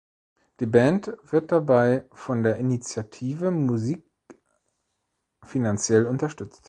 Die Band wird dabei von der Initiative Musik finanziell unterstützt.